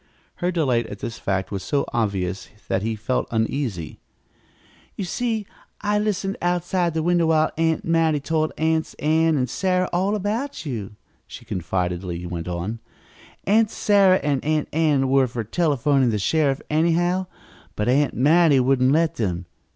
Her delight at this fact was so obvious that he felt uneasy. "You see, I listened outside the window while Aunt Mattie told Aunts Ann and Sarah all about you," she confidingly went on. "Aunt Sarah and Aunt Ann were for telephoning for the sheriff anyhow, but Aunt Mattie wouldn't let them.